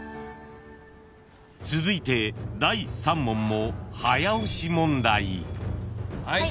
［続いて第３問も早押し問題］